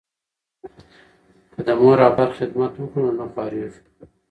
که د مور او پلار خدمت وکړو نو نه خواریږو.